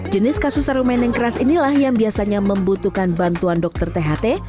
jenis kasus serumen yang keras inilah yang biasanya membutuhkan bantuan dokter tht